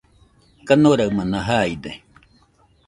kanoraɨmana jaide